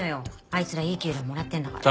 あいつらいい給料もらってんだから。